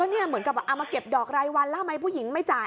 ก็เหมือนกับมาเก็บดอกไรวันแล้วผู้หญิงไม่จ่าย